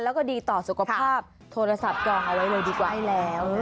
แล้วก็ดีต่อสุขภาพโทรศัพท์ก็เอาไว้เลยดีกว่า